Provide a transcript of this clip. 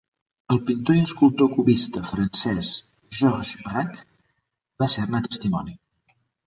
El pintor i escultor cubista francès, Georges Braque, va ser-ne testimoni.